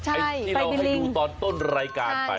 ไอ้ที่เราให้ดูตอนต้นรายการไป